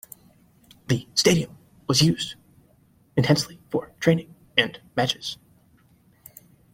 The stadium was used intensely for training and matches.